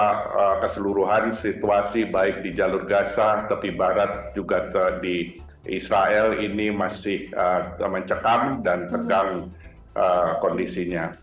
karena keseluruhan situasi baik di jalur gaza tepi barat juga di israel ini masih mencekam dan tegang kondisinya